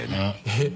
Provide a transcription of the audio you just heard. えっ！